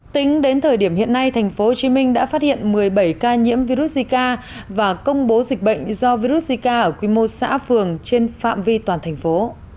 tính đến thời điểm hiện nay tp hcm đã phát hiện một mươi bảy ca nhiễm virus zika và công bố dịch bệnh do virus zika ở quy mô xã phường trên phạm vi toàn thành phố